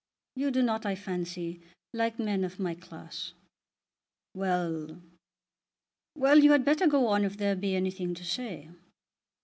You do not, I fancy, like men of my class." "Well; well! You had better go on if there be anything to say."